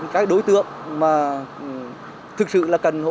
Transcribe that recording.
các đối tượng mà thực sự là cần hỗ trợ